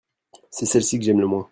c'est celle-ci que j'aime le moins.